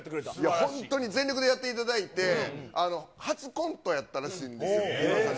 本当に全力でやっていただいて、初コントやったらしいんですけど、木村さんが。